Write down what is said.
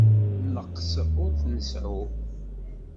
Nneqs ur t-nseɛɛu.